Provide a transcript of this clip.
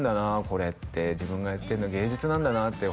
これって自分がやってるの芸術なんだなって